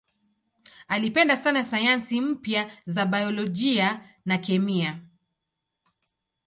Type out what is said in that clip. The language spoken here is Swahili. Alipenda sana sayansi mpya za biolojia na kemia.